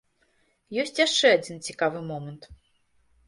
Ёсць яшчэ адзін цікавы момант.